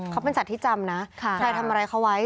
เขาเป็นสัตว์ที่จำนะใครทำอะไรเขาไว้